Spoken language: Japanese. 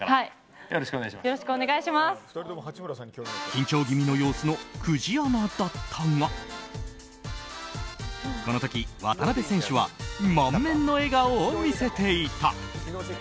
緊張気味の様子の久慈アナだったがこの時、渡邊選手は満面の笑顔を見せていた。